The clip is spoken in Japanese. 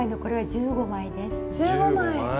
１５枚！